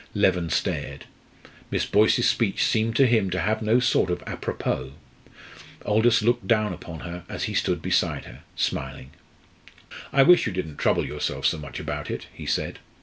Leven stared. Miss Boyce's speech seemed to him to have no sort of à propos. Aldous looked down upon her as he stood beside her, smiling. "I wish you didn't trouble yourself so much about it," he said.